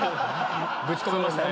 ぶち込めましたね。